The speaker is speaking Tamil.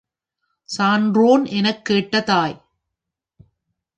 சான்றோன் எனக் கேட்ட தாய்!